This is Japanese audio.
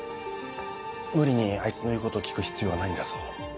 無理にあいつの言うことを聞く必要はないんだぞ。